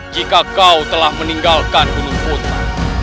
jika kau telah meninggalkan gunung kuta